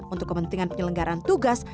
untuk kepentingan penyelenggaran tugas